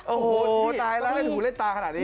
โอ้โหตายแล้วเล่นตาขนาดนี้